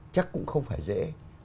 chắc cũng không phải dễ